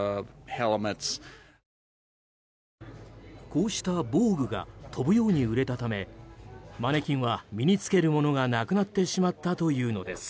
こうした防具が飛ぶように売れたためマネキンは身に着けるものがなくなってしまったというのです。